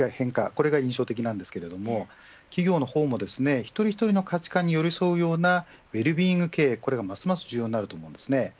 これが印象的ですが企業の方も一人一人の価値観に寄り添うようなウェルビーイング経営が重要になります。